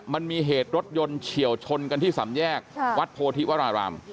มันมีเหตุรถยนต์เฉียวชนกันที่สามแยกวัดโพธิวราราม